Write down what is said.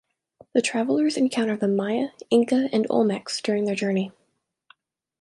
The travellers encounter the Maya, Inca, and Olmecs during their journey.